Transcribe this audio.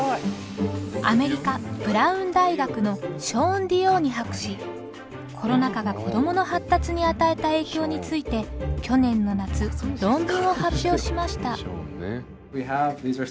アメリカブラウン大学のコロナ禍が子どもの発達に与えた影響について去年の夏論文を発表しました。